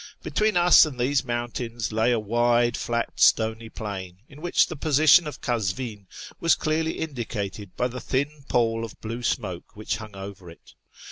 Between us and these mountains lay a wide, flat, stony plain, in which the position of Kazvin was clearly indicated by the thin pall of blue smoke which hung over it.